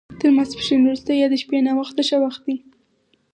تر ماسپښین وروسته یا د شپې ناوخته ښه وخت دی.